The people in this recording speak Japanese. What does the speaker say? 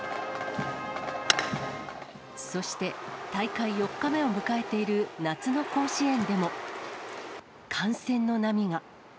そして、大会４日目を迎えている夏の甲子園でも、感染の波が。